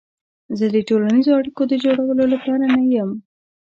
زه د ټولنیزو اړیکو د جوړولو لپاره نه یم.